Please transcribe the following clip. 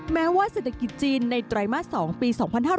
แม้ว่าเศรษฐกิจจีนในไตรมาส๒ปี๒๕๕๙